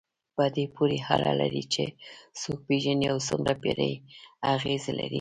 په دې پورې اړه لري چې څوک پېژنئ او څومره پرې اغېز لرئ.